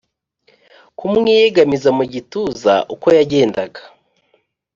kumwiyegamiza mugituza uko yagendaga